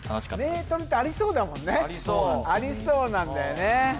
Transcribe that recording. メートルってありそうだもんねありそうありそうなんだよね